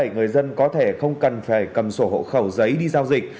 người dân có thể không cần phải cầm sổ hộ khẩu giấy đi giao dịch